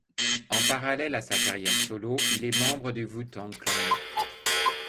En parallèle à sa carrière solo, il est membre du Wu-Tang Clan.